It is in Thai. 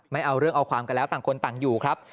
ไม่เอาเรื่องเอาความกันแล้วต่างคนต่างอยู่ครับ